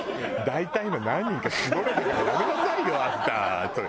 大体今何人か絞れたからやめなさいよあんたそれ。